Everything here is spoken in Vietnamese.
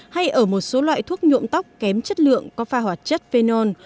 hay ở một số loại thuốc nhuộm tóc kém chất lượng có pha hoạt chất phenol